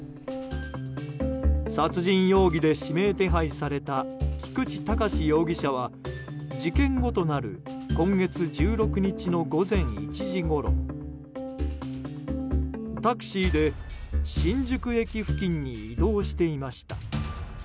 殺人容疑で指名手配された菊池隆容疑者は事件後となる今月１６日の午前１時ごろタクシーで新宿駅付近に移動していました。